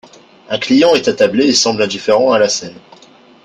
Un client est attablé et semble indifférent à la scène.